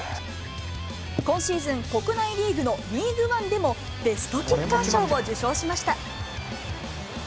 今シーズン、国内リーグのリーグワンでも、ベストキッカー賞を受賞しました。